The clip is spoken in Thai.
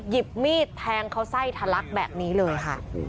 มีดแทงเขาไส้ทะลักแบบนี้เลยค่ะ